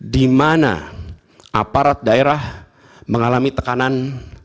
di mana aparat daerah mengalami tekanan